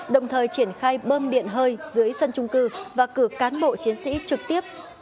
đồng thời triển khai bơm điện hơi dưới sân trung cư và cử cán bộ chiến sĩ trực tiếp